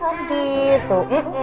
mamanya sehat gitu